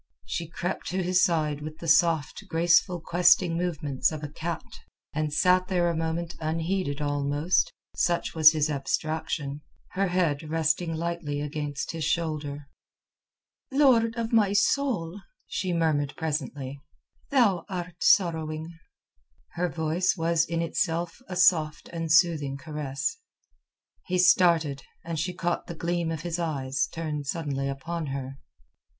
She crept to his side with the soft, graceful, questing movements of a cat, and sat there a moment unheeded almost—such was his abstraction—her head resting lightly against his shoulder. "Lord of my soul," she murmured presently, "thou art sorrowing." Her voice was in itself a soft and soothing caress. He started, and she caught the gleam of his eyes turned suddenly upon her.